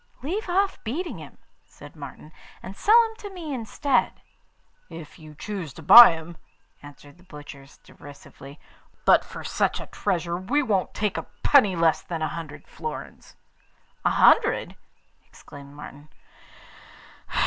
'Leave off beating him,' said Martin, 'and sell him to me instead.' 'If you choose to buy him,' answered the butchers derisively; 'but for such a treasure we won't take a penny less than a hundred florins.' 'A hundred!' exclaimed Martin.